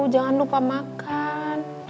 jangan lupa makan